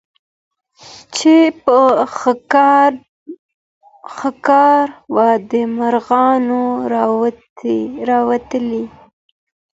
چي په ښکار و د مرغانو راوتلی